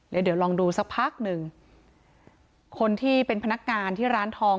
เดี๋ยวลองดูสักพักหนึ่งคนที่เป็นพนักงานที่ร้านทอง